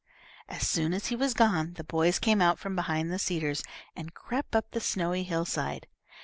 As soon as he was gone, the boys came out from behind the cedars, and crept up the snowy hillside.